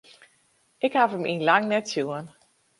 Ik haw him yn lang net sjoen.